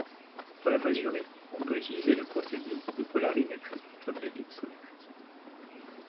Pour la mesurer, on peut utiliser le procédé de polarimétrie comme l'ellipsométrie.